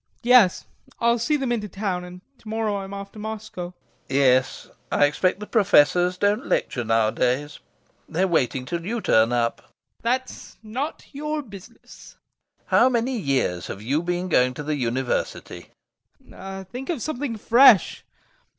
TROFIMOV Yes. I'll see them into town and to morrow I'm off to Moscow. LOPAKHIN. Yes.... I expect the professors don't lecture nowadays; they're waiting till you turn up! TROFIMOV. That's not your business. LOPAKHIN. How many years have you been going to the university? TROFIMOV. Think of something fresh.